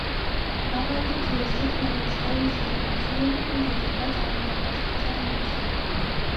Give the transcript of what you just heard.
«Ավանդույթ» եզրույթն առանցքային նշանակություն ունի ինտեգրված ավանդապաշտության մեջ։